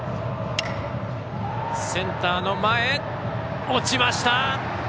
センターの前に落ちました。